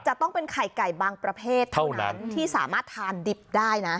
จะต้องเป็นไข่ไก่บางประเภทเท่านั้นที่สามารถทานดิบได้นะ